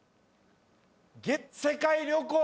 『月世界旅行』。